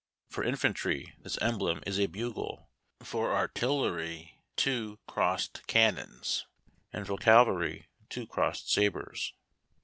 For infantry this emblem is a bugle, for artillery t\Vo crossed cannons, and for cavalry two crossed sabres.